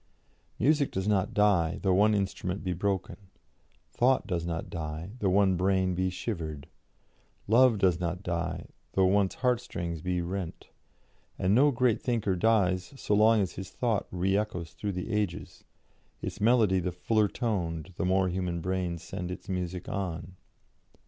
Music does not die, though one instrument be broken; thought does not die, though one brain be shivered; love does not die, though one heart's strings be rent; and no great thinker dies so long as his thought re echoes through the ages, its melody the fuller toned the more human brains send its music on.